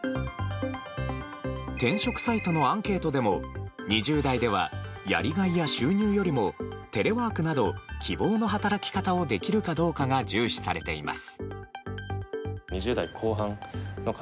転職サイトのアンケートでも２０代ではやりがいや収入よりもテレワークなど希望の働き方をできるかどうかが重視されています。